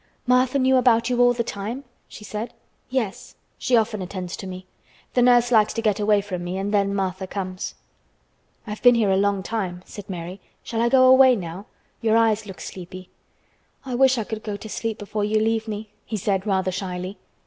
"Martha knew about you all the time?" she said. "Yes; she often attends to me. The nurse likes to get away from me and then Martha comes." "I have been here a long time," said Mary. "Shall I go away now? Your eyes look sleepy." "I wish I could go to sleep before you leave me," he said rather shyly.